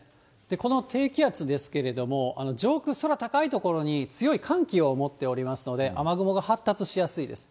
この低気圧ですけれども、上空、空高い所に強い寒気を持っておりますので、雨雲が発達しやすいです。